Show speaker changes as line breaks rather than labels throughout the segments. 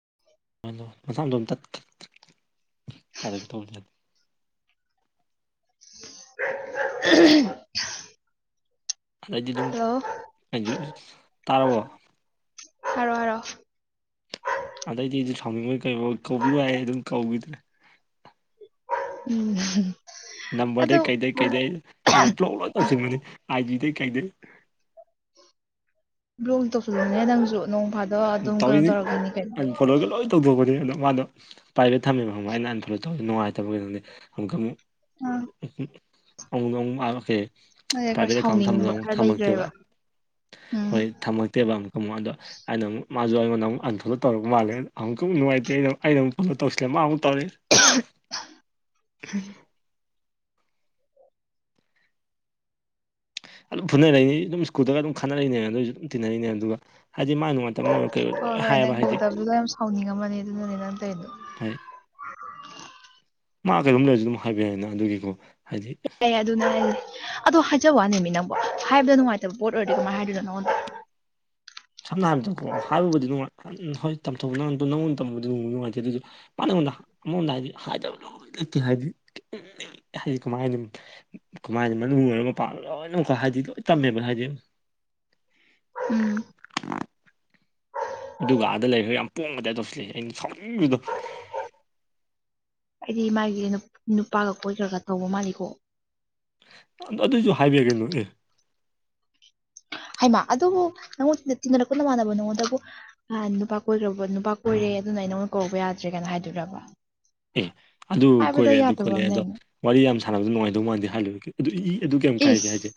[inaudible]
ꯃꯁꯥꯝꯗꯣ ꯑꯝꯇ ꯍꯥꯏꯔꯒ ꯇꯧꯕꯅꯤ
[inaudible]
ꯑꯗꯩꯗꯤ ꯑꯗꯨꯝ
ꯍꯜꯂꯣ
ꯇꯥꯔꯕꯣ
ꯍꯥꯏꯔꯣ ꯍꯥꯏꯔꯣ
ꯑꯗꯩꯗꯤꯁꯨ ꯁꯥꯎꯃꯤꯉꯣꯏ ꯀꯩꯅ ꯀꯧꯕꯤꯔꯨ ꯍꯥꯏ ꯑꯗꯨꯝ ꯀꯧꯕꯧꯤꯗ꯭ꯔꯦ
ꯎꯝ
ꯅꯝꯕꯔꯗꯩ
ꯑꯗꯣ
ꯀꯩꯗꯩ ꯀꯩꯗꯩ ꯑꯩꯅ ꯕ꯭ꯂꯣꯛ ꯂꯣꯗ ꯇꯧꯁꯤꯟꯕꯅꯤ ꯑꯥꯏ ꯗꯩ ꯀꯩꯗꯩ
ꯕ꯭ꯂꯣꯛ ꯇꯧꯁꯤꯜꯂꯣꯅꯦ ꯅꯪꯁꯨ ꯅꯣꯡ ꯐꯥꯗꯣ ꯑꯗꯨꯝ ꯀꯩꯅꯣ ꯇꯧꯔꯛꯀꯅꯤ ꯀꯩꯅꯣ
ꯄꯣꯠꯂꯣꯏꯒ ꯂꯣꯏ ꯇꯧꯊꯣꯛꯄꯅꯤ ꯑꯗꯣ ꯃꯥꯗꯣ ꯄ꯭ꯔꯥꯏꯚꯦꯠ ꯊꯝꯃꯦꯕ ꯑꯩꯅ ꯑꯟꯐꯣꯂꯣ ꯇꯧꯋꯤ ꯅꯨꯡꯉꯥꯏꯇꯕꯒꯤꯩꯅꯣꯪꯗꯤ ꯑꯃꯨꯛꯇꯪꯨꯛ ꯎ ꯑꯃꯨꯛꯗ ꯑꯃꯨꯛꯦ
ꯅꯪꯁꯦ ꯈꯔ
ꯄ꯭ꯔꯥꯏꯚꯦꯠ ꯑꯦꯀꯥꯎꯟ ꯊꯝꯕꯗꯣ
ꯁꯥꯎꯅꯤꯡꯕ
ꯑꯃꯨꯛ
ꯈꯔ
ꯊꯝꯃꯛꯇꯦꯕ
ꯂꯩꯈ꯭ꯔꯦꯕ ꯎꯝ
ꯍꯣꯏ ꯊꯝꯃꯛꯇꯦꯕ ꯑꯃ ꯑꯃꯛ ꯑꯗꯣ ꯑꯩꯅ ꯑꯃꯨꯛ ꯃꯥꯁꯨ ꯑꯩꯣꯟ ꯑꯃꯨꯛ ꯑꯟ ꯐꯣꯂꯣ ꯇꯧꯔꯒ ꯃꯥꯜꯂꯦꯗ ꯑꯃꯨꯛꯨꯛ ꯉꯇꯦ ꯑꯩꯅ ꯑꯩꯅꯨꯛ ꯐꯣꯂꯣ ꯇꯧꯁꯤꯂꯦ ꯃꯥ ꯑꯃꯨꯛ ꯇꯧꯔꯦ
ꯍ
ꯑꯗꯨꯝ ꯐꯨꯅ ꯂꯩꯛꯏꯅꯤ ꯑꯗꯨꯝ ꯁ꯭ꯀꯨꯜꯗꯒ ꯑꯗꯨꯝ ꯈꯟꯅꯅꯔꯔꯤꯅꯦ ꯑꯗꯨꯣꯏꯁꯨ ꯑꯗꯨꯝ ꯇꯤꯟꯅꯔꯤꯅꯦꯕ ꯑꯗꯨꯒ ꯍꯥꯏꯗꯤ ꯃꯥꯅ ꯃꯇꯝ ꯑꯣꯏꯔꯣ ꯀꯩ ꯑꯣꯏ
ꯍꯣꯏ
ꯂꯣꯏ
ꯍꯣꯏ
ꯍꯥꯏꯕ
ꯅꯪ
ꯍꯥꯏꯗꯤ
ꯇꯧꯗꯕꯗꯨꯗ ꯌꯥꯝ ꯁꯥꯎꯅꯤꯡꯉꯝꯃꯅꯤ ꯑꯗꯨꯅꯅꯦ ꯅꯪ ꯇꯧꯔꯤꯗꯣ
ꯍꯣꯏ ꯃꯥ ꯀꯩꯅꯣꯝ ꯂꯩꯔꯁꯨ ꯑꯗꯨꯝ ꯍꯥꯏꯕ ꯌꯥꯏꯅ ꯑꯗꯨꯒꯤꯀꯣ ꯍꯥꯏꯗꯤ
ꯑꯗꯨꯅꯅꯦ ꯑꯗꯣ ꯍꯥꯏꯖꯕ ꯋꯥꯅꯦ ꯃꯤ ꯅꯪꯕꯨꯣ ꯍꯥꯏꯕꯗ ꯅꯨꯡꯉꯥꯏꯇꯕ ꯄꯣꯠ ꯑꯣꯏꯔꯗꯤ ꯀꯃꯥꯏ ꯍꯥꯏꯗꯣꯏꯅꯣ ꯅꯉꯣꯟꯗ
ꯁꯝꯅ ꯍꯥꯏꯔꯕꯗ ꯍꯥꯏꯕꯕꯨꯗꯤ ꯅꯨꯡꯉꯥꯏ ꯍꯣꯏ ꯇꯝꯊꯣꯛ ꯅꯗꯣ ꯅꯉꯣꯟꯗ ꯇꯝꯕꯕꯨꯗꯤ ꯅꯨꯡꯉꯥꯏꯇꯦ ꯑꯗꯨꯏꯁꯨ ꯄꯅ ꯍꯥꯏ ꯀ ꯀꯃꯥꯏꯅ ꯃꯅꯨꯡꯨ ꯑꯣꯏꯔ ꯃꯄꯥꯟꯗ ꯂꯣꯏꯅ ꯑꯃꯛ ꯍꯥꯏꯗꯤ ꯂꯣꯏ ꯇꯝꯃꯦꯕ ꯍꯥꯏꯗꯤ
ꯎꯝ
ꯎ ꯑꯗꯨꯒ ꯑꯥꯗ ꯂꯩꯈ꯭ꯔꯦ ꯌꯥꯝ ꯄꯣꯣꯡꯕꯗꯥꯏ ꯇꯧꯁꯨ ꯂꯩ ꯑꯩꯅ ꯁꯥꯎꯅꯤꯡꯁꯤꯗꯣ
ꯍꯥꯏꯗꯤ ꯃꯥꯒꯤ ꯅꯨꯄꯥꯒ ꯀꯣꯏꯈ꯭ꯔꯒ ꯇꯧꯕ ꯃꯥꯜꯂꯤꯀꯣ
ꯑꯗꯣ ꯑꯗꯨꯏꯁꯨ ꯍꯥꯏꯕꯤꯔꯛꯒꯩꯅꯣ ꯑꯦ
ꯍꯥꯏꯃ ꯑꯗꯨꯕꯨ ꯅꯪꯉꯣꯟ ꯇꯤꯟꯅꯔꯛꯄꯅ ꯃꯥꯟꯅꯕ ꯅꯉꯣꯟꯗꯕꯨ ꯑ ꯅꯨꯄꯥ ꯀꯣꯏꯈ꯭ꯔꯕꯣ ꯅꯨꯄꯥ ꯀꯣꯏꯔꯦ ꯑꯗꯨꯅ ꯑꯩ ꯅꯉꯣꯟ ꯀꯧꯕ ꯌꯥꯗ꯭ꯔꯦ ꯀꯥꯏꯅ ꯍꯥꯏꯗꯔꯕ
ꯑꯦ ꯑꯗꯨ ꯀꯣꯏꯔꯦ ꯑꯗꯨ ꯈꯣꯠꯂꯛꯑꯦ
ꯑꯃ
ꯑꯗꯣ
ꯂꯩꯃꯤ
ꯋꯥꯔꯤ ꯌꯥꯝ ꯁꯥꯟꯅꯕꯗ ꯅꯨꯡꯉꯥꯏꯗꯧ ꯃꯥꯟꯗꯦ ꯍꯥꯏꯜꯂꯨꯔꯦ ꯑꯗꯨ ꯏ ꯑꯗꯨ ꯀꯩ ꯀꯥꯏꯒꯦ
ꯏꯁ
ꯍꯥꯏꯁꯦ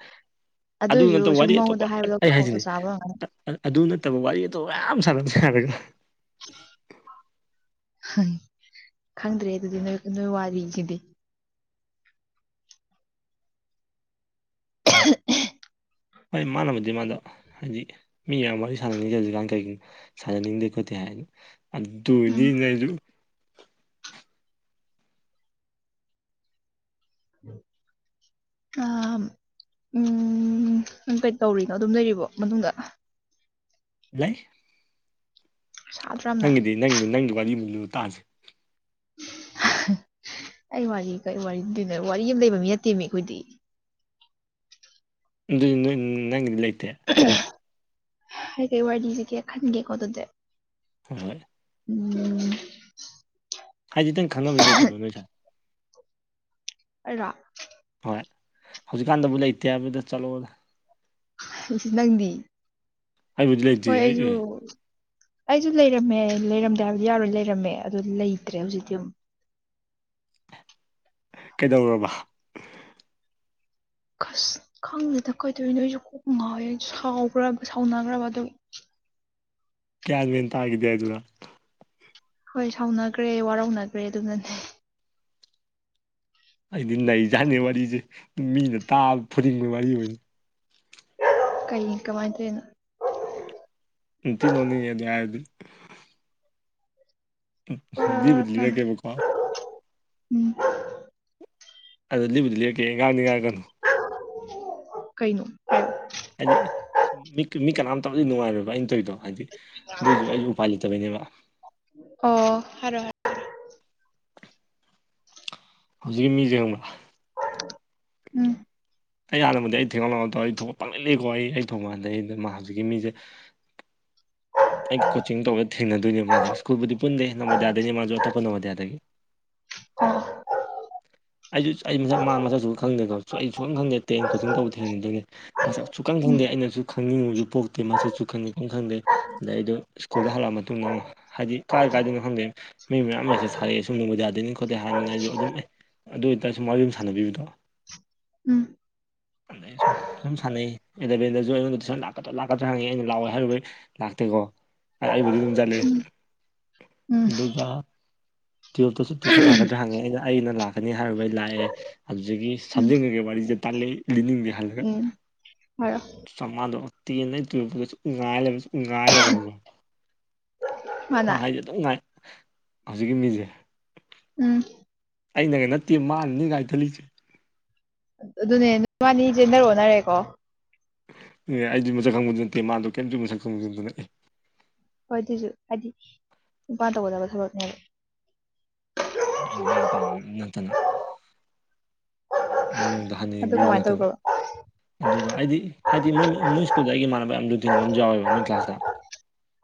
ꯑꯗꯨ
ꯑꯗꯨꯏꯁꯨ
ꯅꯠꯇꯕ
ꯁꯨꯝ
ꯋꯥꯔꯤ
ꯃꯉꯣꯟꯗ
ꯑꯇꯣꯞꯄ
ꯍꯥꯏꯕꯗꯣ
ꯑꯩ
ꯈꯥꯎꯇ
ꯍꯥꯏꯁꯤꯅꯤ
ꯆꯥꯕ ꯑꯃꯨꯛ
ꯑꯗꯨ ꯅꯠꯇꯕ ꯋꯥꯔꯤ ꯑꯇꯣ ꯃꯌꯥꯝ ꯁꯥꯟꯅꯁꯦ ꯍꯥꯏꯔꯒ꯫
ꯈꯪꯗ꯭ꯔꯦ ꯑꯗꯨꯗꯤ ꯅꯣꯏ ꯅꯣꯏ ꯋꯥꯔꯤꯁꯤꯗꯤ꯫
ꯍꯣꯏ ꯃꯥꯟꯅꯕꯨꯗꯤ ꯃꯥꯟꯗꯣ ꯍꯥꯏꯗꯤ ꯃꯤ ꯌꯥꯝ ꯋꯥꯔꯤ ꯁꯥꯟꯅꯅꯤꯡꯗꯦ ꯍꯧꯖꯤꯛꯀꯥꯟ ꯀꯩꯒꯤꯅꯣ ꯁꯥꯟꯅꯅꯤꯡꯗꯦ ꯈꯣꯠꯇꯦ ꯍꯥꯏꯅ ꯑꯗꯨ
ꯎꯝ
ꯑꯣꯏꯅꯤꯅꯦ ꯑꯩꯁꯨ꯫
[inaudible] ꯎꯝ ꯅꯪ ꯀꯩ ꯇꯧꯔꯤꯅꯣ ꯑꯗꯨꯝ ꯂꯩꯔꯤꯕꯣ ꯃꯅꯨꯡꯗ꯫
ꯂꯩ꯫
ꯁꯥꯗ꯭ꯔ ꯌꯥꯝꯅ꯫
ꯅꯪꯒꯤꯗꯤ ꯅꯪꯒꯤ ꯅꯪꯒꯤꯁꯨ ꯋꯥꯔꯤ ꯑꯃꯂꯤꯌꯨ ꯇꯁꯤ꯫
ꯑꯩ ꯋꯥꯔꯤ ꯀꯩ ꯋꯥꯔꯤꯗꯣꯏꯅꯣ ꯋꯥꯔꯤ ꯑꯃ ꯂꯩꯕ ꯃꯤ ꯅꯠꯇꯦꯝꯃꯤ ꯑꯩꯈꯣꯏꯗꯤ꯫
ꯑꯗꯨꯗꯤ ꯅꯣꯏ ꯅꯪꯒꯤꯗꯤ ꯂꯩꯇꯦ꯫
ꯍꯥꯏꯗꯣꯏ ꯋꯥꯔꯤ ꯁꯤ ꯂꯤꯁꯤꯒꯦ ꯈꯟꯒꯦꯀꯣ ꯑꯗꯨꯗꯤ꫰꫰
ꯍꯣꯏ ꯍꯣꯏ꯫
ꯎꯝ꯫
ꯍꯥꯏꯗꯤ ꯅꯪ ꯈꯪꯅꯕꯗꯤ ꯂꯩꯇꯕꯣ ꯅꯣꯏ ꯁꯥꯥꯏ꯫
ꯑꯩꯔꯣ꯫
ꯍꯣꯏ ꯍꯧꯖꯤꯛꯀꯥꯟꯗꯕꯨ ꯂꯩꯇꯦ ꯍꯥꯏꯕꯗ ꯆꯠꯂꯣꯗ꯫
ꯅꯪꯗꯤ
ꯑꯩꯕꯨꯗꯤ ꯂꯩꯇꯦ
ꯍꯣꯏ
ꯑꯩ
ꯑꯩꯁꯨ꯫
ꯑꯦ
ꯑꯩꯁꯨ ꯂꯩꯔꯝꯃꯦ ꯂꯩꯔꯝꯗꯦ ꯍꯥꯏꯕꯗꯤ ꯌꯥꯔꯣꯏ ꯂꯩꯔꯝꯃꯦ ꯑꯗꯨ ꯂꯩꯇ꯭ꯔꯦ ꯍꯧꯖꯤꯛꯇꯤ ꯑꯃꯨꯛ꯫
ꯀꯩꯗꯧꯔꯕ꯫
ꯁ ꯈꯪꯉꯦꯗ ꯀꯩꯗꯧꯔꯤꯅꯣ ꯑꯩꯁꯨ ꯀꯣꯛ ꯉꯥꯎꯋꯦ ꯑꯩ ꯁꯥꯎꯕꯔ ꯁꯥꯎꯅꯒꯔꯕ ꯑꯗꯨꯒꯤ꯫
ꯒꯤꯌꯟ ꯃꯦꯟ ꯇꯥꯒꯤꯗꯦ ꯍꯥꯏꯗꯨꯔ꯫
ꯍꯣꯏ ꯁꯥꯎꯅꯈ꯭ꯔꯦ ꯋꯥꯔꯧꯅꯈ꯭ꯔꯦ ꯑꯗꯨꯅꯅꯤ꯫
ꯑꯩꯗꯤ ꯂꯩꯖꯥꯠꯅꯤ ꯋꯥꯔꯤꯁꯦ ꯃꯤꯅ ꯇꯥꯕ ꯐꯨꯗꯤꯡꯕ ꯋꯥꯔꯤ ꯑꯣꯏꯅꯤ꯫
ꯀꯩ ꯀꯃꯥꯏꯅ ꯇꯧꯔꯤꯅꯣ꯫
ꯅꯣꯛꯅꯤꯡꯉꯦ [unintelligible]
ꯇꯧꯔꯤꯅꯣ
ꯂꯤꯕꯨꯗꯤ ꯂꯤꯔꯛꯀꯦꯕꯥꯀꯣ꯫
ꯎꯝ
ꯑꯗ ꯂꯤꯕꯨꯗꯤ ꯂꯤꯔꯛꯀꯦ ꯉꯥꯡꯅꯤ ꯉꯥꯡ ꯀꯅꯨ꯫
ꯀꯩꯅꯣ꯫ ꯍꯥꯏꯌꯣ
ꯍꯥꯏꯗꯤ ꯃꯤ ꯃꯤ ꯀꯅꯥꯝꯇꯗꯤ ꯅꯨꯡꯉꯥꯏꯔꯣꯏꯕ ꯑꯩꯅ ꯇꯧꯔꯤꯗꯣ ꯍꯥꯏꯗꯤ ꯑꯗꯨꯏꯁꯨ ꯑꯩꯁꯨ ꯎꯄꯥꯏ ꯂꯩꯇꯕꯩꯅꯦꯕ꯫
ꯑꯣ ꯍꯥꯏꯔꯣ ꯍꯥꯏ
ꯍꯧꯖꯤꯛꯀꯤ ꯃꯤꯖꯦ ꯈꯪꯕꯔ꯫
ꯎꯝ
ꯑꯩ ꯍꯥꯟꯅꯕꯨꯗꯤ ꯑꯩ ꯊꯤꯡꯉꯥꯎ ꯇꯧꯏ ꯑꯩ ꯊꯣꯛꯄ ꯄꯪꯂꯩꯂꯩꯀꯣ ꯑꯩ ꯊꯣꯡꯉꯥꯟꯗ ꯑꯩ ꯑꯗ ꯍꯧꯖꯤꯛꯀꯤ ꯃꯤꯁꯦ꯫ ꯑꯩ ꯀꯣꯆꯤꯡ ꯇꯧꯕꯗ ꯊꯦꯡꯅꯗꯣꯏꯅꯦ ꯃꯥꯁꯦ ꯁ꯭ꯀꯨꯜꯕꯨꯗꯤ ꯄꯨꯟꯗꯦ ꯅꯝꯕꯣꯗꯤꯌꯥꯗꯒꯤ ꯃꯥꯁꯨ ꯑꯇꯣꯞꯄ ꯅꯝꯕꯣꯗꯤꯌꯥꯗꯒꯤ꯫
ꯑꯣ
ꯑꯩꯁꯨ ꯑꯩ ꯃꯁꯛ ꯃꯥ ꯃꯁꯛ ꯁꯨꯡꯈꯪ ꯈꯪꯗꯦꯀꯣ ꯑꯩ ꯁꯨꯅ ꯈꯪꯗꯦ ꯇ꯭ꯔꯦꯟ ꯀꯣꯆꯤꯡ ꯇꯧꯕ ꯊꯦꯡꯅꯔꯤꯗꯨꯗꯒꯤ꯫ ꯃꯁꯛꯁꯨ ꯀꯪ
ꯎꯝ
ꯈꯪꯗꯦ ꯑꯩꯅꯁꯨ ꯈꯪꯅꯤꯡꯕꯁꯨ ꯄꯣꯛꯇꯦ ꯃꯁꯛꯁꯨ ꯈꯪꯗꯤ ꯑꯗꯨꯝ ꯈꯪꯗꯦ꯫ ꯑꯗꯩ ꯑꯩꯗꯣ ꯁ꯭ꯀꯨꯜꯗ ꯍꯜꯂꯛꯑ ꯃꯇꯨꯡꯗ ꯑꯃ ꯍꯥꯏꯗꯤ ꯀꯥꯏ ꯀꯥꯏꯗꯅꯣ ꯈꯪꯒꯦ꯫ ꯃꯤ ꯃꯌꯥꯝ ꯑꯃꯁꯁꯦ ꯊꯥꯔꯛꯑꯦ ꯁꯨꯝ ꯅꯕꯣꯗꯤꯌꯥꯗꯦꯅꯤ ꯈꯣꯠꯇꯦ ꯍꯥꯏꯔꯝꯃꯤꯅ ꯑꯩꯁꯨ ꯑꯗꯨꯝ ꯑꯦ꯫ ꯑꯗꯨ ꯑꯣꯏꯇꯥꯔꯁꯨ ꯋꯥꯔꯤ ꯁꯨꯝ ꯁꯥꯟꯅꯕꯤꯕꯗꯣ꯫
ꯎꯝ
ꯑꯗ ꯑꯩꯅꯁꯨꯝ ꯁꯨꯝ ꯁꯥꯟꯅꯩ ꯑꯦꯂꯕꯦꯟꯗꯁꯨ ꯑꯩꯉꯣꯟꯗ ꯇꯨꯏꯁꯟ ꯂꯥꯛꯀꯗ꯭ꯔꯥ ꯂꯥꯛꯀ꯭ꯔꯥ ꯍꯪꯉꯤ ꯑꯩꯅ ꯂꯥꯛꯑꯣꯏ ꯍꯥꯏꯔꯨꯕꯩ ꯂꯥꯛꯇꯦꯀꯣ ꯑꯩꯕꯨꯗꯤ ꯑꯗꯨꯝ ꯆꯠꯂꯦ꯫
ꯎꯝ
ꯑꯗꯨꯒ ꯇꯨꯌꯦꯜꯞꯇꯁꯨ ꯇꯨꯁꯟ ꯂꯥꯛꯀꯗ꯭ꯔꯥ ꯍꯪꯉꯦ ꯑꯩꯅ ꯑꯩꯅ ꯂꯥꯛ ꯀꯅꯤ ꯍꯥꯏꯔꯨꯕꯩ ꯑꯩ ꯂꯥꯛꯑꯦ ꯑꯗꯨꯗꯒꯤ
ꯎꯝ
ꯁꯦꯝꯝꯖꯤꯡꯉꯒꯦ ꯋꯥꯔꯤꯁꯦ ꯇꯜꯂꯤ ꯂꯤꯅꯤꯡꯗꯦ꯫
ꯎꯝ ꯍꯥꯏꯔꯣ꯫
ꯆꯃꯥꯗꯣꯇꯦꯟꯙꯤ ꯇꯨꯌꯦꯜꯞꯄꯣꯗ ꯁꯨꯝ ꯉꯥꯏꯂꯩꯕ ꯈꯪꯕꯔ꯫ ꯃꯥ
ꯍꯥꯟꯅ
ꯍꯥꯏꯁꯦ ꯑꯗꯨꯝ ꯉꯥꯏ ꯍꯧꯖꯤꯛꯀꯤ ꯃꯤꯁꯦ꯫
ꯎꯝ꯫
ꯑꯩꯅꯒ ꯅꯠꯇꯦ ꯃꯥꯅꯅꯤ ꯀꯥꯏ ꯊꯠꯂꯤꯁꯦ꯫
ꯑꯗꯨꯅꯦ ꯅꯨꯕꯥꯅꯤ ꯖꯦꯟꯗꯔ ꯑꯣꯅꯔꯦꯀꯣ꯫
ꯑꯦ ꯑꯩꯗꯤ ꯃꯁꯛ ꯈꯪꯕꯗꯨ ꯅꯠꯇꯦ ꯃꯥꯗꯣ ꯀꯩꯝꯖꯨ ꯃꯁꯛ ꯈꯪꯕꯖꯨ ꯅꯠꯇꯅ ꯑꯦ
ꯍꯣꯏ ꯑꯗꯨꯢꯁꯨ ꯍꯥꯏꯗꯤ ꯅꯨꯄꯥꯅ ꯇꯧꯒꯗꯕ ꯊꯕꯛꯅꯦꯕ
ꯑꯩꯅ ꯃꯥ ꯄꯥꯝꯕ ꯅꯠꯇꯅ ꯑꯩꯅ ꯅꯣꯡꯗ ꯍꯟꯅ
ꯑꯗꯨ
ꯌꯦꯡꯕꯤꯔꯨꯕꯖꯨ
ꯀꯃꯥꯏꯅ
ꯅꯠꯇꯅ
ꯇꯧꯈ꯭ꯔꯕ
ꯑꯗꯨꯒ ꯑꯩꯗꯤ ꯍꯥꯏꯗꯤ ꯃꯣꯏ ꯃꯣꯏ ꯁ꯭ꯀꯨꯜꯗ ꯑꯩꯒꯤ ꯏꯃꯥꯟꯅꯕ ꯌꯥꯝ ꯂꯨꯅ ꯇꯤꯅꯕ ꯑꯃꯖꯨ ꯌꯥꯎꯋꯦꯕ ꯃꯣꯏ ꯀ꯭ꯂꯥꯁꯇ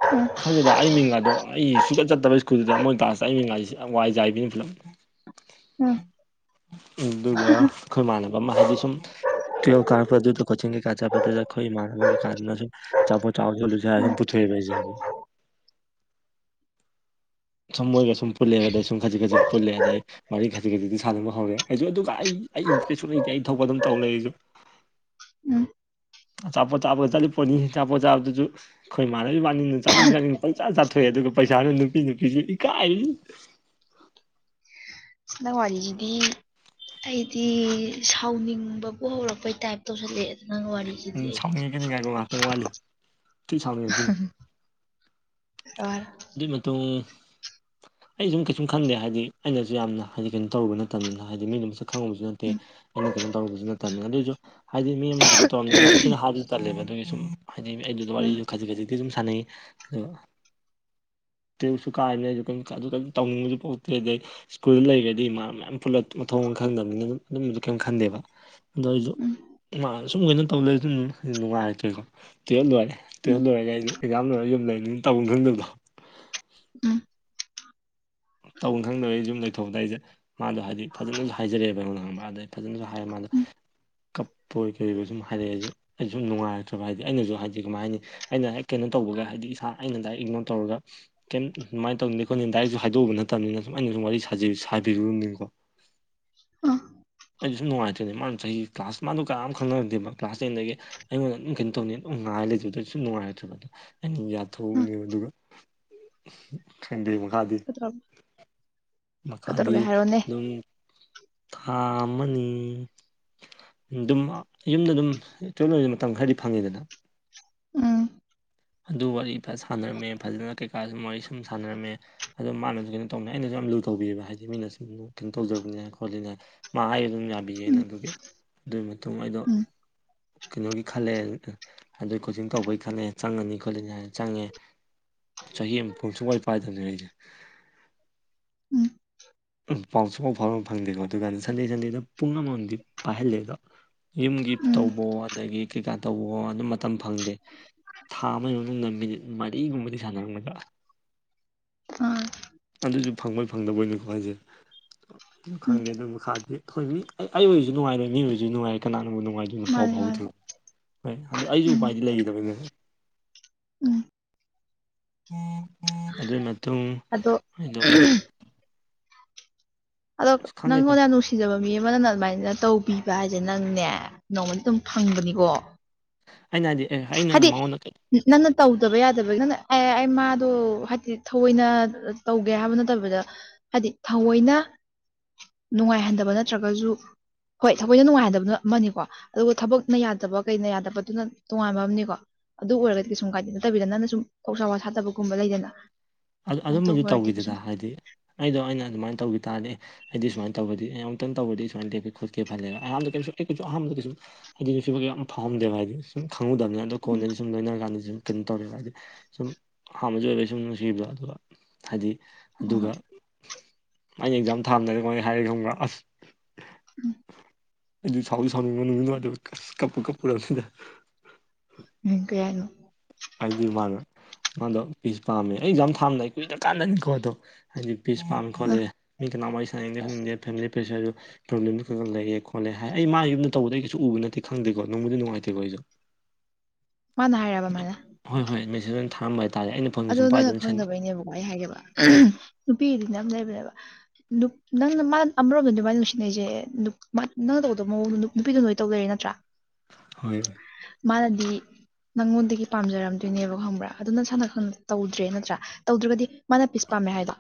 ꯎꯝ
ꯈꯪꯗꯦꯗ ꯑꯩ ꯃꯤꯡꯒꯥꯗꯣ ꯑꯩ ꯁꯨꯆꯠ ꯆꯠꯇꯕ ꯁ꯭ꯀꯨꯜꯗꯨꯗ ꯃꯣꯏ ꯀ꯭ꯂꯥꯁꯇ ꯑꯩ ꯃꯤꯡꯒꯥꯢꯖꯦ ꯋꯥꯏꯖꯥꯏꯕꯤꯅꯤ ꯄꯨꯂꯞ
ꯎꯝ
ꯑꯗꯨꯒ ꯑꯩꯈꯣꯏꯃꯥꯟꯅꯕ ꯑꯃ ꯍꯥꯏꯗꯤ ꯁꯨꯝ ꯇꯨꯋꯦꯜꯞ ꯀꯥꯔꯛꯄ ꯀꯣꯆꯤꯡ ꯀꯩꯀꯥ ꯆꯠꯄꯗꯨꯗ ꯑꯩꯈꯣꯢ ꯢꯃꯥꯟꯅꯕ ꯀꯩꯀꯥꯗꯨꯅ ꯑꯆꯥꯄꯣꯠ ꯆꯥꯔꯨꯁꯤ ꯈꯣꯠꯂ ꯁꯨꯝ ꯄꯨꯊꯣꯛꯑꯦꯕ ꯁꯨꯝ ꯃꯣꯏꯒ ꯁꯨꯝ ꯄꯨꯜꯂꯦ ꯑꯗꯩ ꯁꯨꯝ ꯈꯖꯤꯛ ꯈꯖꯤꯛ ꯄꯨꯜꯂꯦ ꯑꯗꯩ ꯋꯥꯔꯤ ꯈꯖꯤꯛ ꯈꯖꯤꯛꯗꯤ ꯁꯥꯟꯅꯕ ꯍꯧꯔꯦ ꯑꯩꯁꯨ ꯑꯗꯨꯒ ꯑꯩ ꯑꯩ ꯏꯟꯇꯔꯦꯁꯁꯨ ꯂꯩꯇꯦ ꯑꯩ ꯊꯣꯛꯄ ꯑꯗꯨꯝ ꯇꯧ ꯂꯩ ꯑꯩꯁꯨ
ꯎꯝ
ꯑꯆꯥꯄꯣꯠ ꯆꯥꯕꯗ ꯆꯠꯂꯤꯄꯣꯠꯅꯤ ꯑꯆꯥꯄꯣꯠ ꯆꯥꯕꯗꯨꯖꯨ ꯑꯩꯈꯣꯏ ꯏꯃꯥꯟꯅꯕ ꯏꯕꯅꯤꯅ ꯆꯥꯅꯤꯡ ꯆꯥꯅꯤꯡꯕ ꯄꯪꯆꯥ ꯆꯥꯊꯣꯛꯑꯦ ꯑꯗꯨꯒ ꯄꯩꯁꯥꯅ ꯅꯨꯄꯤ ꯄꯤꯕꯤ ꯏꯀꯥꯏ
ꯅꯪ ꯋꯥꯔꯤꯖꯤꯗꯤ ꯑꯩꯗꯤ ꯁꯥꯎꯅꯤꯡꯕꯕꯨ ꯍꯧꯔꯛꯄꯩ ꯇꯥꯏꯞ ꯇꯧꯁꯜꯂꯛꯑꯦ ꯅꯪ
ꯎꯝ
ꯋꯥꯔꯤꯖꯤꯗ
ꯁꯥꯎꯅꯤꯡꯉꯛꯈꯤꯅꯤ ꯉꯥꯏꯈꯣ ꯉꯥꯛꯇꯪ ꯋꯥꯠꯂꯤ ꯊꯤ ꯁꯥꯎꯅꯤꯡꯉꯛꯈꯤꯅꯤ
[unintelligible] [inaudible]
ꯑꯗꯨꯏ ꯃꯇꯨꯡ ꯑꯩ ꯁꯨꯝ ꯀꯩꯁꯨꯝ ꯈꯪꯗꯦ ꯍꯥꯏꯗꯤ ꯑꯩꯅꯁꯨ ꯌꯥꯝꯅ ꯍꯥꯏꯗꯤ ꯀꯩꯅꯣ ꯇꯧꯕ ꯃꯇꯝꯕꯅꯤꯅ ꯍꯥꯏꯗꯤ ꯃꯤꯅ ꯆꯠ ꯈꯪꯉꯕꯁꯨ ꯅꯠꯇꯦ ꯑꯩꯅ ꯀꯩꯅꯣ ꯇꯧꯔꯨꯕꯁꯨ ꯅꯠꯇꯕꯅꯤ ꯑꯗꯨꯑꯣꯏꯁꯨ ꯍꯥꯏꯗꯤ ꯃꯤ ꯇꯝꯗꯁꯨ ꯌꯥꯝ ꯊꯤꯅ ꯍꯥꯏꯗꯨꯅ ꯇꯜꯂꯦꯕ ꯑꯗꯨꯒꯤ ꯁꯨꯝ ꯍꯥꯏꯗꯤ ꯑꯩꯗꯤ
ꯎꯝ
ꯋꯥꯔꯤꯗꯨ ꯈꯖꯤꯛ ꯈꯖꯤꯛꯇꯤ ꯁꯨꯝ ꯁꯥꯟꯅꯩ ꯑꯗꯣ ꯇꯨꯌꯦꯞꯁꯨ ꯀꯥꯏꯔꯤꯝꯅ ꯑꯗꯨ ꯀ ꯇꯧꯅꯤꯡꯕꯁꯨ ꯄꯣꯛꯇ꯭ꯔꯦ ꯑꯗꯩ ꯁ꯭ꯀꯨꯜꯗ ꯂꯩꯔꯗꯤ ꯏꯃꯥ ꯃꯌꯥꯝ ꯄꯨꯂꯞ ꯃꯣꯡ ꯈꯪꯗꯕꯅꯤꯅ ꯑꯗꯨꯝ ꯑꯗꯨꯝꯕꯗꯤ ꯀꯩꯝ ꯈꯟꯗꯦꯕ ꯑꯗꯣ ꯑꯩꯖꯨ
ꯎꯝ
[inaudible] ꯅꯨꯡꯉꯥꯏꯔꯛꯇ꯭ꯔꯦ ꯀꯣ
ꯎꯝ
[unintelligible]
ꯎꯝ
ꯇꯧꯅꯤ ꯈꯪꯗꯕ ꯑꯩ ꯌꯨꯝ ꯂꯩꯊꯣꯛꯑꯝꯗꯥꯢ ꯑꯩꯁꯦ ꯃꯥꯗꯣ ꯍꯥꯏꯗꯤ ꯐꯖꯅꯁꯨ ꯍꯥꯏꯖꯔꯛꯑꯦꯕ ꯑꯩꯉꯣꯟꯗ ꯐꯖꯅꯁꯨ ꯍꯥꯏ ꯃꯥꯗꯣ
ꯎꯝ
ꯀꯞꯄꯣꯏ ꯀꯩꯑꯣꯢ ꯁꯨꯝ ꯍꯥꯏꯔꯛꯑꯦ ꯑꯩꯖꯨ ꯁꯨꯝ ꯅꯨꯡꯉꯥꯏꯔꯛꯇ꯭ꯔꯕ ꯍꯥꯏꯗꯤ ꯑꯩꯅꯁꯨ ꯍꯥꯏꯗꯤ ꯀꯃꯥꯏ ꯍꯥꯏꯅꯤ ꯑꯩꯅ ꯍꯦꯛ ꯀꯩꯅꯣ ꯇꯧꯕꯒ ꯍꯥꯏꯗꯤ ꯏꯁꯥ ꯑꯩꯅ ꯗꯥꯏꯔꯦꯛ ꯏꯒꯅꯣꯔ ꯇꯧꯔꯒ ꯀꯩꯝ ꯑꯗꯨꯃꯥꯏꯅ ꯇꯧꯅꯤ ꯈꯣꯅ ꯗꯥꯏꯔꯦꯛꯁꯨ ꯍꯥꯏꯗꯣꯛꯎ ꯅꯠ ꯇꯝꯅꯤꯅ ꯁꯨꯝ ꯑꯩꯅ ꯁꯨꯝ ꯋꯥꯔꯤ ꯁꯥ ꯁꯥꯕꯤꯔꯨꯕꯅꯤꯀꯣ
ꯑꯥ
ꯑꯩꯁꯨ ꯅꯨꯡꯉꯥꯏꯇ꯭ꯔꯦꯅꯦ ꯃꯥꯅ ꯆꯍꯤ ꯀ꯭ꯂꯥꯁ ꯃꯥꯗꯨ ꯀꯅꯥꯝ ꯈꯪꯅꯔꯛꯇꯦꯕ ꯃꯥꯗꯣ ꯀ꯭ꯂꯥꯁ ꯇꯦꯟꯗꯒꯤ ꯑꯩꯉꯣꯟꯗ ꯑꯗꯨꯝ ꯀꯩꯅꯣ ꯇꯧꯅꯤ ꯉꯥꯏ ꯂꯩꯇꯕꯗ ꯁꯨꯝ ꯅꯨꯡꯉꯥꯏꯔꯛꯇ꯭ꯔꯕ ꯑꯗꯣ ꯑꯩꯅ ꯌꯥꯊꯣꯛꯎꯕꯅꯦꯕ ꯑꯗꯨꯒ ꯈꯟꯗꯦ ꯃꯈꯥꯗꯤ
[inaudible]
ꯃꯈꯥꯗꯤ
ꯀꯩꯗꯧꯔꯒꯦ ꯍꯥꯏꯔꯣꯅꯦ
ꯑꯗꯨꯝ ꯊꯥ ꯑꯃꯅꯤ ꯑꯗꯨꯝ ꯌꯨꯝꯗ ꯑꯗꯨꯝ [unintelligible] ꯃꯇꯝ ꯈꯔꯗꯤ ꯐꯪꯉꯤꯗꯅ
ꯎꯝ
ꯑꯗꯨ ꯋꯥꯔꯤ ꯁꯥꯟꯅꯔꯝꯃꯦ ꯐꯖꯅ ꯀꯩꯀꯥ ꯁꯨꯝ ꯋꯥꯔꯤ ꯁꯨꯝ ꯁꯥꯟꯅꯔꯝꯃꯦ ꯑꯗꯣ ꯃꯥꯅꯁꯨ ꯀꯩꯅꯣ ꯇꯧꯅꯤ ꯑꯩꯅꯁꯨ ꯌꯥꯝ ꯂꯨ ꯇꯧꯕꯤꯕ ꯍꯥꯏꯗꯤ ꯃꯤꯅ ꯁꯨꯝ ꯀꯩꯅꯣ ꯇꯧꯖꯕꯅꯤꯅ ꯈꯣꯠꯂꯤꯅ ꯃꯥ ꯑꯩ ꯑꯗꯨꯝ
ꯎꯝ
ꯌꯥꯕꯤꯌꯦꯅ ꯑꯗꯨꯒꯤ ꯑꯗꯨꯒꯤ ꯃꯇꯨꯡ ꯑꯩꯗꯣ
ꯎꯝ
ꯀꯩꯅꯣꯒꯤ ꯈꯜꯂꯦ ꯑꯗꯩ ꯀꯣꯆꯤꯡ ꯇꯧꯕꯒꯤ ꯈꯜꯂꯦ ꯆꯪꯉꯅꯤ ꯈꯣꯠꯂꯅꯤ ꯍꯥꯏꯅ ꯆꯪꯉꯦ ꯆꯍꯤ ꯑꯃ ꯄꯨꯡ ꯁꯨꯡꯋꯥꯥꯏ ꯄꯥꯏꯗꯕꯅꯦ ꯑꯩꯁꯦ
ꯎꯝ
ꯄꯥꯎꯁꯨ ꯄꯥꯎ ꯐꯥꯎꯕ ꯐꯪꯗꯦꯀꯣ ꯑꯗꯨꯒꯥꯟ ꯁꯟꯗꯦ ꯁꯟꯗꯦꯗ ꯄꯨꯡ ꯑꯃꯃꯝꯗꯤ ꯄꯥꯏꯍꯜꯂꯦꯗꯣ ꯌꯨꯝꯒꯤ
ꯎꯝ
ꯇꯧꯕꯋꯣ ꯑꯗꯒꯤ ꯀꯩꯀꯥ ꯇꯧꯕꯣ ꯑꯗꯨꯝ ꯃꯇꯝ ꯐꯪꯗꯦ ꯊꯥ ꯑꯃꯒꯤ ꯃꯅꯨꯡꯗ ꯃꯤꯅꯤꯠ ꯃꯔꯤꯒꯨꯝꯕꯗꯤ ꯁꯥꯟꯅꯔꯝꯒꯗ꯭ꯔꯥ
ꯑꯥ
ꯑꯗꯨꯁꯨ ꯐꯪꯕꯣꯏ ꯐꯪꯗꯕꯣꯏꯅꯤꯀꯣ ꯍꯥꯏꯖꯦ ꯑꯗꯨ
ꯎꯝ
ꯈꯪꯗꯦ ꯑꯗꯨ ꯃꯈꯥꯗꯤ ꯑꯩꯈꯣꯏꯕꯤ ꯑꯩ ꯑꯣꯏꯔꯁꯨ ꯅꯨꯡꯉꯥꯏꯔꯣꯢ ꯃꯤ ꯑꯣꯏꯁꯨ ꯅꯨꯡꯉꯥꯏꯔꯣꯢ ꯀꯅꯥꯅꯕꯨ ꯅꯨꯡꯉꯥꯏꯗꯨ
ꯃꯥꯅꯦ ꯃꯥꯅꯦ
[unintelligible] ꯑꯗꯨ ꯑꯩꯁꯨ
ꯎꯝ
ꯎꯄꯥꯏꯗꯤ ꯂꯩꯈꯤꯗꯕꯅꯤ
ꯎꯝ
ꯑꯗꯨꯏ ꯃꯇꯨꯡ
ꯑꯗꯣ
ꯑꯩꯗꯣ
ꯑꯗꯣ
ꯑꯁ ꯈꯪꯗꯦꯗ
ꯅꯪꯉꯣꯟꯗ ꯅꯨꯡꯁꯤ ꯐꯤꯖꯕ ꯃꯤ ꯑꯃꯅ ꯑꯗꯨꯃꯥꯏꯅ ꯇꯧꯕꯤꯕ ꯍꯥꯏꯁꯦ ꯅꯪꯅꯦ ꯅꯣꯡꯃꯗꯤ ꯑꯗꯨꯝ ꯐꯪꯕꯅꯤꯀꯣ
ꯑꯩꯅ ꯍꯥꯏꯗꯤ ꯑꯦ ꯑꯩꯅ
ꯍꯥꯏꯗꯤ
ꯃꯉꯣꯟꯗ ꯀꯩ
ꯅꯪꯅ ꯇꯧꯗꯕ ꯌꯥꯗꯕꯒꯤ ꯅꯪꯅ ꯑꯦ ꯑꯩ ꯃꯥꯗꯣ ꯍꯥꯏꯗꯤ ꯊꯑꯣꯏꯅ ꯇꯧꯒꯦ ꯍꯥꯏꯕ ꯅꯠꯇꯕꯗ ꯍꯥꯏꯗꯤ ꯊꯑꯣꯏꯅ ꯅꯨꯡꯉꯥꯏꯍꯟꯗꯕ ꯅꯠꯇ꯭ꯔꯒꯁꯨ ꯍꯣꯏ ꯊꯕꯣꯏꯗ ꯅꯨꯡꯉꯥꯏꯍꯟꯗꯕꯅ ꯑꯃꯅꯤꯀꯣ ꯑꯗꯨꯒ ꯊꯕꯛꯅ ꯌꯥꯗꯕ ꯀꯩꯅ ꯌꯥꯗꯕꯗꯨꯅ ꯇꯣꯉꯥꯟꯕ ꯑꯝꯅꯤꯀꯣ ꯑꯗꯨ ꯑꯣꯏꯔꯒꯗꯤ ꯁꯨꯝ ꯀꯥꯏꯗꯦ ꯅꯠꯇꯕꯤꯗ ꯅꯪꯅ ꯁꯨꯝ ꯊꯧꯁꯥ ꯋꯥ ꯁꯠꯇꯕꯒꯨꯝꯕ ꯂꯩꯗꯅ
ꯑꯗꯨꯝ
ꯑꯗꯨꯃꯥꯏꯅ
ꯑꯗꯨꯝꯕꯗꯤ
ꯇꯧꯕ ꯑꯣꯏꯔꯗꯤ
ꯇꯧꯈꯤꯗꯔꯥꯗ
ꯀꯩꯁꯨꯝ
ꯍꯥꯏꯗꯤ ꯑꯩꯗꯣ ꯑꯩꯅ ꯑꯗꯨꯃꯥꯏꯅ ꯇꯧꯒꯤ ꯇꯥꯔꯗꯤ ꯑꯩꯗꯤ ꯁꯨꯃꯥꯏꯅ ꯇꯧꯕꯗꯤ ꯌꯥꯝ ꯇꯪ ꯇꯧꯕꯔꯗꯤ ꯁꯨꯥꯏꯅ ꯂꯦꯀꯦ ꯈꯠꯀꯦꯜꯂꯦ [unintelligible] [unintelligible] ꯐꯥꯎꯝꯗꯦꯕ ꯍꯥꯏꯗꯤ ꯁꯨꯝ ꯈꯪꯉꯨꯗꯕꯅꯤꯅ ꯑꯗꯣ ꯀꯣꯟꯗꯗꯤ ꯁꯨꯝ ꯂꯣꯏꯅꯔꯀꯥꯟꯗ ꯁꯨꯝ ꯀꯩꯅꯣ ꯇꯧꯔꯦꯕ ꯍꯥꯏꯗꯤ ꯁꯨꯝ ꯍꯥꯟꯕꯁꯨ [unintelligible] [unintelligible] ꯍꯥꯏꯗꯤ ꯑꯗꯨꯒ ꯑꯩꯅ ꯑꯦꯛꯖꯥꯝ ꯊꯝꯗꯥꯏꯗ [unintelligible] ꯈꯪꯕ꯭ꯔꯥ ꯑꯁ
[inaudible]
[unintelligible] ꯀꯁ ꯀꯞꯄꯨ ꯀꯞꯄꯨꯨꯔꯅꯤꯗ
[unintelligible]
[unintelligible] ꯃꯥꯅ ꯃꯥꯗꯣ ꯄꯤꯁ ꯄꯥꯝꯃꯦ ꯑꯩꯖꯥ ꯊꯥꯝꯗꯥ ꯀꯨꯏꯅ ꯀꯥꯟꯅꯤꯀꯣ ꯑꯗꯣ ꯍꯥꯏꯗꯤ ꯄꯤꯁ ꯄꯥꯝ ꯈꯣꯠꯂꯦ
ꯑ
ꯃꯤ ꯀꯅꯥ ꯋꯥꯔꯤ ꯁꯥꯟꯅꯤꯡꯗꯦ ꯈꯪꯅꯤꯡꯗꯦ ꯐꯦꯃꯤꯂꯤ ꯄ꯭ꯔꯦꯁꯔꯁꯨ [unintelligible] ꯈꯔ ꯂꯩꯌꯦ ꯈꯣꯠꯂꯦ ꯑꯩ ꯃꯥ ꯌꯨꯝꯗ ꯇꯧꯕꯗ ꯀꯩꯁꯨ ꯎꯕ ꯅꯠꯇꯦ ꯈꯪꯗꯦꯀꯣ ꯅꯣꯡꯕꯨꯗꯤ ꯅꯨꯡꯉꯥꯏꯇꯦꯕ ꯑꯩꯁꯨ
ꯃꯥꯅ ꯍꯥꯏꯔꯕ ꯃꯥꯅ
ꯍꯣꯏ ꯍꯣꯏ ꯃꯦꯁꯦꯖ ꯑꯣꯏꯅ ꯊꯔꯝꯕ ꯍꯥꯏꯇꯥꯥꯔꯦ ꯑꯩꯅ ꯐꯣꯟꯒꯤ
ꯑꯗꯣ
ꯁꯨꯝ
ꯅꯪꯅ
ꯄꯥꯏꯗꯅ ꯁꯟ
ꯈꯪꯗꯕꯩꯅꯦꯕꯀꯣ ꯑꯩ ꯍꯥꯏꯒꯦꯕ ꯅꯨꯄꯤꯗꯤ ꯅꯝ ꯂꯩꯕꯅꯦꯕ ꯅꯨꯞ ꯅꯪꯅ ꯃꯥ ꯑꯃꯔꯣꯝꯗ ꯑꯗꯨ ꯃꯥꯏꯅ ꯅꯨꯡꯁꯤꯅꯩꯁꯦ [unintelligible] ꯅꯪꯅ ꯇꯧꯗꯕ ꯃꯑꯣꯡꯗ ꯅꯨꯄꯤꯗꯣ ꯂꯣꯏ ꯇꯧ ꯂꯩꯔꯦ ꯅꯠꯇ꯭ꯔꯥ
ꯍꯣꯏ
ꯃꯥꯅꯗꯤ ꯅꯪꯉꯣꯟꯗꯒꯤ ꯄꯥꯝꯖꯔꯝꯗꯣꯏꯅꯦꯕ ꯈꯪꯕ꯭ꯔꯥ ꯑꯗꯨ ꯅꯁꯥꯟꯅ ꯈꯪ ꯇꯧꯗ꯭ꯔꯦ ꯅꯠꯇ꯭ꯔꯥ ꯇꯧꯗ꯭ꯔꯒꯗꯤ ꯃꯥꯅ ꯄꯤꯁ ꯄꯥꯝꯃꯦ ꯍꯥꯏꯗꯣ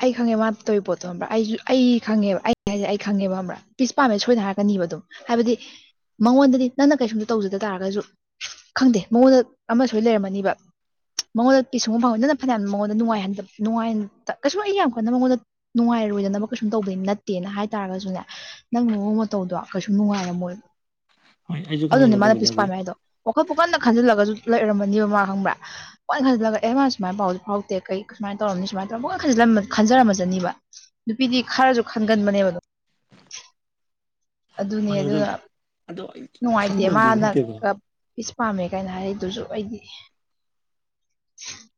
ꯑꯩ ꯈꯪꯉꯦ ꯃꯥꯅ ꯇꯧꯔꯤꯕ ꯄꯣꯠꯇꯣꯕ꯭ꯔꯥ ꯑꯩꯁꯨ ꯑꯩ ꯈꯪꯉꯦꯕ ꯑꯩ ꯍꯥꯏꯁꯦ ꯑꯩ ꯈꯪꯉꯦꯕꯕ꯭ꯔꯥ ꯄꯤꯁ ꯄꯥꯝꯃꯦ ꯁꯣꯏꯅ ꯍꯥꯏꯔꯛꯀꯅꯤꯕ ꯑꯗꯨꯝ ꯍꯥꯏꯕꯗꯤ ꯃꯉꯣꯟꯗꯗꯤ ꯅꯪꯅ ꯀꯩꯁꯨꯝꯗ ꯇꯧꯖꯗ ꯇꯥꯔꯒꯁꯨ ꯈꯪꯗꯦ ꯃꯉꯣꯟꯗ ꯑꯃ ꯁꯣꯏ ꯂꯩꯔꯝꯃꯅꯤꯕ ꯃꯉꯣꯟꯗ ꯄꯤꯁ [unintelligible] ꯐꯅꯌꯥꯝꯅ ꯃꯉꯣꯟꯗ ꯅꯨꯡꯉꯥꯏꯍꯟꯗꯕ ꯅꯨꯡꯉꯥꯏ ꯀꯩꯁꯨ ꯑꯩ ꯌꯥꯝ ꯀꯟꯅ ꯃꯉꯣꯟꯗ ꯅꯨꯡꯉꯥꯏꯔꯣꯏꯗꯅꯕ ꯀꯩꯁꯨꯝ ꯇꯧꯕꯗꯩ ꯅꯠꯇꯦꯅ ꯍꯥꯏ ꯇꯥꯔꯒꯁꯨꯅꯦ ꯅꯪ ꯃꯑꯣꯡ ꯃꯇꯧꯗꯣ ꯀꯩꯁꯨ ꯅꯨꯡꯉꯥꯏꯔ ꯃꯣꯏ
ꯍꯣꯏ ꯑꯩꯁꯨ
ꯑꯗꯨꯅꯦ
ꯈꯪꯉꯦꯅ
ꯃꯥꯅ
ꯑꯗꯨꯕꯨꯗꯤ
ꯄꯤꯁ
ꯍꯥꯏꯗꯤ
ꯄꯥꯝꯃꯦ ꯍꯥꯏꯗꯣ ꯋꯥꯈꯜ ꯄꯨꯀꯟꯅ ꯈꯟꯖꯤꯜꯂꯒꯁꯨ ꯂꯩꯔꯝꯃꯅꯦꯕ ꯃꯥ ꯈꯪꯕ꯭ꯔꯥ [unintelligible] ꯁꯨꯃꯥꯏ ꯄꯥꯎꯁꯦ ꯐꯥꯎꯔꯛꯇꯦ ꯀꯩ ꯁꯨꯃꯥꯏꯅ ꯇꯧꯔꯝꯅꯤ ꯁꯨꯃꯥꯏ ꯇꯧꯒ ꯄꯣꯏꯅ ꯈꯟꯖꯤꯜꯂꯝ ꯈꯟꯖꯔꯝꯃꯖꯅꯤꯕ ꯅꯨꯄꯤꯗꯤ ꯈꯔꯁꯨ ꯈꯟꯒꯟꯕꯅꯦꯕꯗꯣ ꯑꯗꯨꯅꯦ
ꯍꯣꯏ ꯑꯗꯨ
ꯑꯗꯨꯅ
ꯑꯗꯣ ꯑꯩ
ꯅꯨꯡꯉꯥꯏꯇꯦ
ꯈꯪꯗꯕꯗꯤ
ꯃꯥꯅ
ꯅꯠꯇꯦꯕ
ꯄꯤꯁ ꯄꯥꯝꯃꯦ ꯀꯥꯏꯅ ꯍꯥꯏ ꯑꯗꯨꯁꯨ ꯑꯩꯗꯤ [inaudible]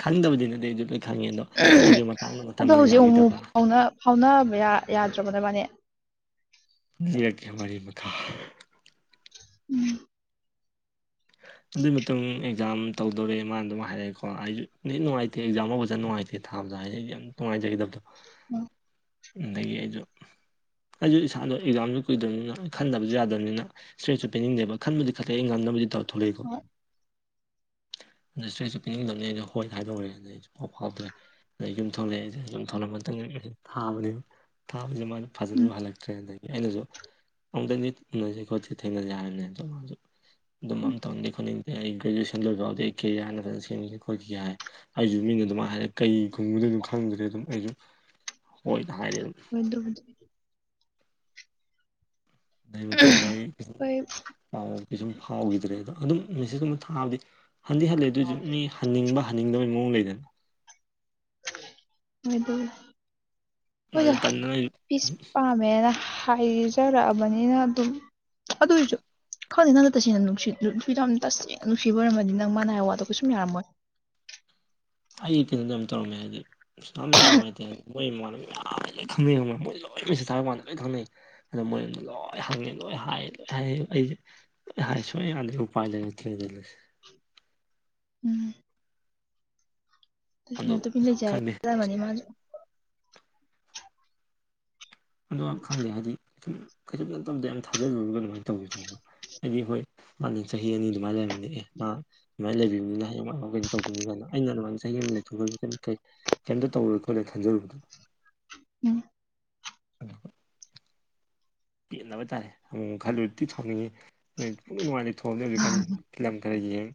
ꯈꯪꯗꯕꯗꯤ ꯅꯠꯇꯦ ꯑꯩ ꯂꯣꯏ ꯈꯪꯉꯦ ꯑꯗꯣ ꯑꯩꯁꯨ ꯃꯇꯥꯡꯗ
ꯑꯗꯣ
ꯃꯇꯝꯅ
ꯍꯧꯖꯤꯛ ꯑꯃꯨꯛ
ꯌꯥꯒꯤꯗꯕ
ꯐꯥꯎꯅ ꯐꯥꯎꯅꯕ ꯌꯥ ꯌꯥꯗ꯭ꯔꯕꯅꯦ ꯅꯥꯃꯥꯅꯦ
ꯂꯤꯔꯛꯀꯦ ꯋꯥꯔꯤ ꯃꯈꯥ
ꯎꯝ
ꯑꯗꯨꯢ ꯃꯇꯨꯡ ꯑꯦꯛꯖꯥꯝ ꯇꯧꯗꯣꯔꯦ ꯃꯥꯅ ꯑꯗꯨꯝ ꯍꯥꯏꯔꯛꯑꯀꯣ ꯑꯩꯁꯨ [unintelligible] ꯅꯨꯡꯉꯥꯏꯇꯦ ꯑꯦꯛꯖꯥꯝ ꯍꯧꯕꯖꯠ ꯅꯨꯡꯉꯥꯏꯇꯦ ꯊꯥꯕꯗ [unintelligible] ꯅꯨꯡꯉꯥꯏꯖꯒꯦꯗꯕꯇꯣ
[inaudible]
ꯑꯗꯒꯤ ꯑꯩꯁꯨ ꯑꯩꯁꯨ ꯏꯁꯥꯗꯣ ꯑꯦꯛꯖꯥꯝꯁꯨ ꯀꯨꯏꯗꯕꯅꯤꯅ ꯈꯟꯗꯕꯁꯨ ꯌꯥꯗꯕꯅꯤꯅ ꯁ꯭ꯔꯦꯠꯁꯨ ꯄꯦꯟꯅꯤꯡꯗꯦꯕ ꯈꯟꯕꯨꯗꯤ ꯈꯜꯂꯦ ꯑꯩ ꯉꯝꯅꯕꯗꯤ ꯇꯧꯔꯥ ꯊꯣꯛꯂꯛꯏꯀꯣ
ꯍꯣꯏ
ꯏꯁ꯭ꯔꯦꯠꯁꯨ ꯄꯤꯅꯤꯡꯗꯅꯤ ꯑꯩꯅ ꯍꯣꯏ ꯍꯥꯏꯗꯣꯛꯎꯔꯦ ꯑꯩꯗꯩ ꯐꯥꯎ ꯐꯥꯎꯗ꯭ꯔꯦ ꯑꯗꯩ ꯌꯨꯝ ꯊꯣꯛꯂꯛꯑꯦ ꯑꯩꯁꯦ ꯌꯨꯝ ꯊꯣꯛꯂꯛꯑ ꯃꯇꯨꯡꯗꯒꯤ ꯊꯥꯕꯅꯤ ꯊꯥꯕꯁꯤ ꯃꯥ
ꯎꯝ
ꯐꯥꯖꯟꯕ ꯍꯜꯂꯛꯇ꯭ꯔꯦ ꯑꯗꯒꯤ ꯑꯩꯅꯁꯨ ꯑꯃꯨꯛꯇꯪꯅꯤ ꯎꯅꯁ ꯈꯣꯠꯁ ꯊꯦꯡꯅꯖꯦ ꯍꯥꯏꯔꯕꯅꯦ ꯑꯗ ꯃꯥꯁꯨ
ꯎꯝ
ꯑꯗꯨꯝ ꯎꯅꯤꯡꯗꯦ ꯑꯩ ꯒ꯭ꯔꯦꯖꯨꯑꯦꯁꯟ ꯂꯣꯏꯕꯥ ꯐꯥꯎꯗꯤ ꯑꯩ ꯀꯦꯌꯥ ꯍꯥꯟꯅ ꯐꯖꯅ ꯁꯦꯝꯈꯤꯒꯦ ꯈꯣꯠꯀꯦ ꯍꯥꯏ ꯑꯩꯁꯨ ꯃꯤꯅ ꯑꯗꯨꯃꯥꯏꯅ ꯍꯥꯏꯔꯦ ꯀꯩ ꯈꯨꯡꯒꯗꯨꯅꯣ ꯈꯪꯗ꯭ꯔꯦ ꯑꯗꯨꯝ ꯑꯩꯁꯨ ꯍꯣꯏ ꯍꯥꯏꯔꯦ ꯑꯗꯨꯝ
ꯑꯗꯨꯕꯨꯗꯤ
ꯑꯗꯩ ꯃꯇꯨꯡꯗꯩ ꯑꯩ
ꯍꯣꯏ
ꯄꯥꯎ ꯀꯩꯁꯨꯝ ꯐꯥꯎꯈꯤꯗ꯭ꯔꯦ ꯑꯗꯣ ꯑꯗꯨꯝ ꯃꯦꯁꯦꯖꯀꯨꯝ ꯊꯥꯕꯗꯤ ꯍꯟꯗꯤ ꯍꯜꯂꯥꯛꯑꯦ ꯑꯗꯨꯏꯁꯨ ꯃꯤ ꯍꯟꯅꯤꯡꯕ ꯍꯟꯅꯤꯡꯗꯕꯒꯤ ꯃꯑꯣꯡ ꯂꯩꯗꯅ
[unintelligible] ꯍꯤꯏꯗ
ꯑꯗꯨ ꯇꯟꯗꯅ ꯑꯩ
ꯄꯤꯁ ꯄꯥꯝꯃꯦ ꯍꯦꯔꯥ ꯍꯥꯏꯖꯔꯛꯑꯕꯅꯤꯅ ꯑꯗꯨꯝ ꯑꯗꯨꯏꯁꯨ ꯈꯪꯗꯦ ꯅꯪꯅ ꯇꯁꯦꯡꯅ ꯅꯨꯡꯁꯤ ꯅꯨꯄꯤꯗꯣ ꯌꯥꯝ ꯇꯁꯦꯡꯅ ꯅꯨꯡꯁꯤꯕ ꯑꯣꯏꯝꯃꯗꯤ ꯅꯪ ꯃꯥꯅꯥ ꯍꯥꯏꯕ ꯋꯥꯗꯣ ꯀꯩꯁꯨꯝ ꯌꯥꯔꯝꯃꯣꯏ
ꯑꯩ ꯀꯩꯅꯣꯗꯣ ꯌꯥꯝ ꯇꯧꯔꯝꯃꯦ ꯍꯥꯏꯕꯗꯤ ꯏꯁꯇꯝ ꯌꯥꯝ ꯅꯨꯡꯉꯥꯏꯇꯦ ꯍꯥꯏꯗꯤ ꯃꯣꯏ ꯃꯃꯥꯟꯅꯕꯥ ꯃꯌꯥꯝ ꯑꯩ ꯂꯣꯏ ꯈꯪꯅꯩ ꯈꯪꯃ ꯃꯣꯏꯁꯦ ꯂꯣꯏ ꯃꯦꯁꯦꯖ ꯊꯥꯕ ꯋꯥꯥꯟꯗ ꯂꯣꯏ ꯈꯪꯅꯩ ꯑꯗꯨ ꯃꯣꯏ ꯂꯣꯏ ꯍꯪꯉꯦ ꯂꯣꯏ ꯍꯥꯏꯌꯦ ꯂꯣꯏ ꯍꯥꯏꯌꯦ ꯑꯩꯁꯦ ꯂꯣꯏ ꯍꯥꯏ ꯁꯨꯡꯌꯥ ꯌꯥꯔꯝꯗꯦ ꯎꯄꯥꯏ ꯂꯩꯠꯇ꯭ꯔꯦ
ꯎꯝ
ꯑꯗꯨ
ꯅꯨꯡꯁꯤꯅꯗꯕꯤ ꯂꯩꯖꯔꯒꯦ
ꯈꯪꯗꯦ
ꯈꯟꯂꯝꯃꯅꯤ ꯃꯥꯁꯨ
ꯑꯗꯣ ꯈꯪꯗꯦ ꯍꯥꯏꯗꯤ ꯀꯩꯁꯨꯝ ꯅꯠꯇꯕꯗ ꯌꯥꯝ ꯊꯥꯖꯔꯨꯔꯕ ꯑꯗꯨꯃꯥꯏꯅ ꯇꯧꯋꯦ ꯇꯧꯕ ꯍꯥꯏꯗꯤ ꯍꯣꯏ ꯃꯥꯅꯤ ꯆꯍꯤ ꯑꯅꯤ ꯑꯗꯨꯃꯥꯏꯅ ꯂꯩꯔꯕꯅꯦ ꯑꯦ ꯃꯥ ꯁꯃꯥꯏꯅ ꯂꯩꯕꯤꯅꯤꯅ ꯍꯌꯦꯡꯋꯥꯏ ꯀꯩꯅꯣ ꯇꯧꯕꯤꯅꯤ ꯀꯥꯏꯅ ꯑꯩꯅ ꯑꯗꯨꯃꯥꯏꯅ ꯆꯍꯤ ꯑꯃ ꯂꯩꯊꯣꯛꯎꯔꯁꯨ ꯀꯩꯝ ꯀꯩ ꯀꯩꯝꯇ ꯇꯧꯔꯣꯏ ꯈꯣꯠꯂꯣꯏ ꯈꯟꯖꯔꯨꯕꯗꯨ
ꯎꯝ
[inaudible] ꯄꯦꯕ ꯇꯥꯔꯦ ꯎꯝ ꯈꯜꯂꯨꯔꯗꯤ ꯁꯥꯎꯅꯤꯡꯉꯦ ꯅꯣꯏ ꯅꯨꯉꯥꯏ ꯂꯩꯊꯣꯡꯑꯅꯤ ꯍꯧꯖꯤꯛꯀꯥꯟꯗꯤ ꯐꯤꯂꯝ ꯈꯔ ꯌꯦꯡ